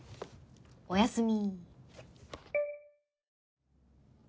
おやすみ。